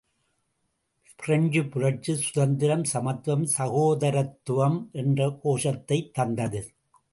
பிரெஞ்சுப் புரட்சி சுதந்திரம், சமத்துவம், சகோதரத்துவம் என்ற கோஷத்தைத் தந்தது.